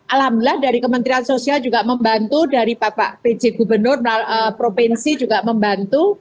alhamdulillah dari kementerian sosial juga membantu dari pak pj gubernur provinsi juga membantu